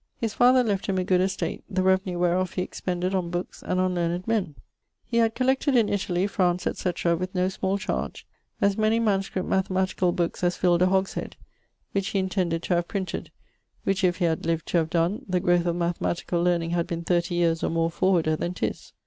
His father left him a good estate, the revenue wherof he expended on bookes and on learned men. He had collected in Italie, France, &c., with no small chardge, as many manuscript mathematicall bookes as filled a hoggeshead, which he intended to have printed; which if he had live to have donne, the growth of mathematicall learning had been 30 yeares or more forwarder then 'tis.